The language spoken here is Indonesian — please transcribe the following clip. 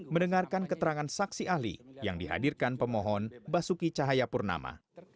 mendengarkan keterangan saksi ahli yang dihadirkan pemohon basuki cahayapurnama